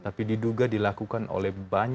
tapi diduga dilakukan oleh satu orang